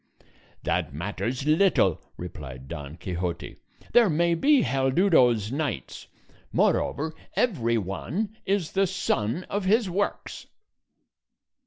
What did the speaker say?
"That matters little," replied Don Quixote; "there may be Haldudos knights; moreover, every one is the son of his works."